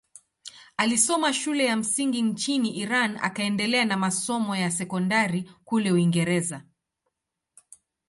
Alisoma shule ya msingi nchini Iran akaendelea na masomo ya sekondari kule Uingereza.